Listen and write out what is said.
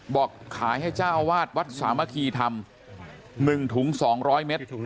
บอกขายให้เจ้าอาวาสวัดสามะคีธรรมหนึ่งถุงสองร้อยเมตร